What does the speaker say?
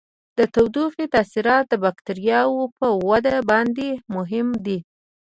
د تودوخې تاثیر د بکټریاوو په وده باندې مهم دی.